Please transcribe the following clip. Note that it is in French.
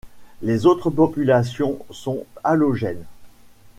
Les autres populations sont allogènes.